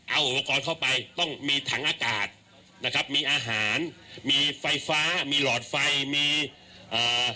เอาอุปกรณ์เข้าไปต้องมีถังอากาศนะครับมีอาหารมีไฟฟ้ามีหลอดไฟมีเอ่อ